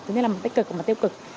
tức là mặt tích cực và mặt tiêu cực